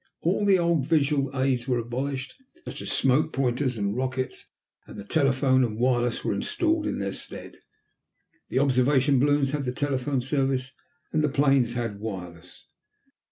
All the old visual aids were abolished, such as smoke pointers and rockets, and the telephone and wireless were installed in their stead. The observation balloons had the telephone service, and the planes had wireless.